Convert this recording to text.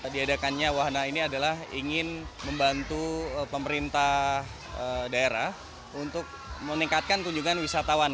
diadakannya wahana ini adalah ingin membantu pemerintah daerah untuk meningkatkan kunjungan wisatawan